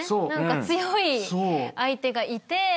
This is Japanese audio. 強い相手がいて。